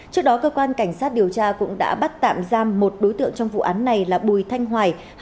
trước đó cơ quan cảnh sát điều tra cũng đã bắt tạm giam một đối tượng trong vụ án này là bùi thanh hoài